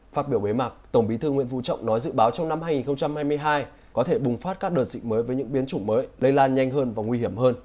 phát biểu bế mạc tổng bí thư nguyễn vũ trọng nói dự báo trong năm hai nghìn hai mươi hai có thể bùng phát các đợt dịch mới với những biến chủng mới lây lan nhanh hơn và nguy hiểm hơn